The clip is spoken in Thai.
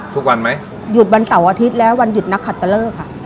ทุกวันไหมหยุดวันเสาร์อาทิตย์แล้ววันหยุดนักขัดตะเลิกอ่ะ